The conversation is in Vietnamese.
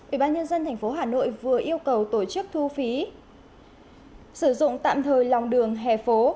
ủy ban nhân dân tp hà nội vừa yêu cầu tổ chức thu phí sử dụng tạm thời lòng đường hè phố